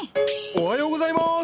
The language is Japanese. おはようございます！